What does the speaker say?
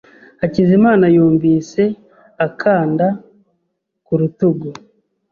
Hakizimana yumvise а kanda ku rutugu.